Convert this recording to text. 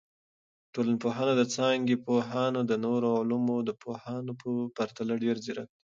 ټولنپوهنه د څانګي پوهان د نورو علومو د پوهانو په پرتله ډیر ځیرک دي.